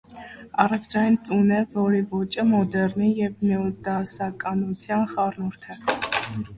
Առևտրային տուն է, որի ոճը մոդեռնի և նեոդասականության խառնուրդ է։